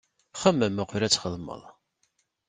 Xemmem uqbel ad txedmeḍ!